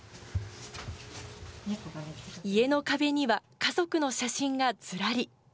家の壁には家族の写真がずらり。